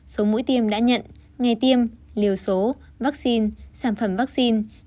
số mũi tiêm đã nhận nghe tiêm liều số vaccine sản phẩm vaccine